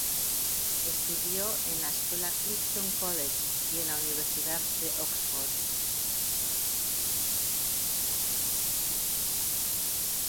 Estudió en la escuela Clifton College y en la Universidad de Oxford.